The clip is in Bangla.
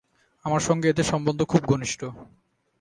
আমার সঙ্গে এঁদের সম্বন্ধ খুব ঘনিষ্ঠ।